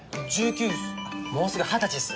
もうすぐ二十歳っす。